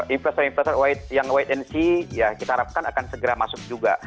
investor investor yang wait and see ya kita harapkan akan segera masuk juga